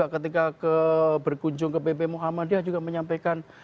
ketika berkunjung ke pp muhammadiyah juga menyampaikan